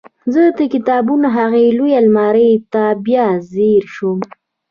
زه د کتابونو هغې لویې المارۍ ته بیا ځیر شوم